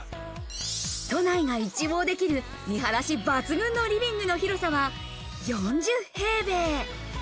都内が一望できる見晴抜群のリビングの広さは４０平米。